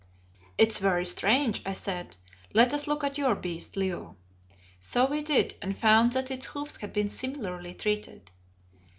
"It is very strange," I said. "Let us look at your beast, Leo." So we did, and found that its hoofs had been similarly treated.